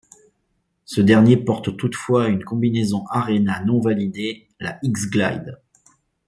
Ce dernier porte toutefois une combinaison Arena non validée, la X-Glide.